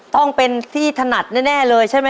ต้องเป็นที่ถนัดแน่เลยใช่ไหม